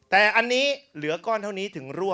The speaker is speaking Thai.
แต่อันนี้เหลือก้อนเท่านี้ถึงรั่ว